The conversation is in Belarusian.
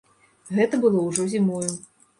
Гэта было ўжо зімою.